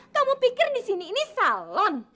kamu pikir disini ini salon